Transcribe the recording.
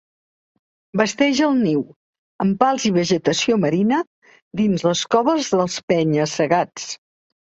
Basteix el niu amb pals i vegetació marina dins les coves dels penya-segats.